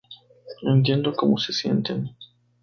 Entiendo cómo se sienten"